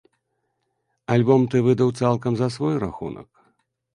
Альбом ты выдаў цалкам за свой рахунак?